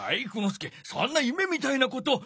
介そんなゆめみたいなこと。